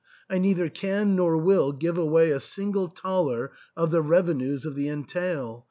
I neither can nor will give away a single thaler of the revenues of the entail.